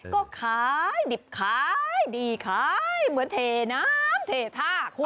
ก็ขายดิบขายดีขายเหมือนเทน้ำเทท่าคุณ